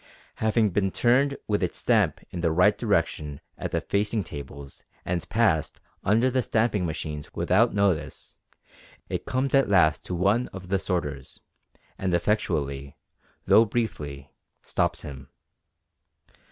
Having been turned with its stamp in the right direction at the facing tables and passed under the stamping machines without notice, it comes at last to one of the sorters, and effectually, though briefly, stops him.